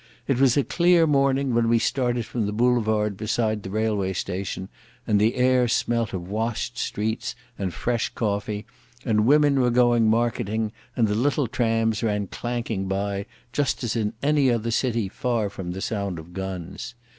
It was a clear morning when we started from the boulevard beside the railway station; and the air smelt of washed streets and fresh coffee, and women were going marketing and the little trams ran clanking by, just as in any other city far from the sound of guns.